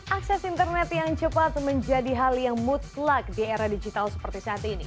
akses internet yang cepat menjadi hal yang mutlak di era digital seperti saat ini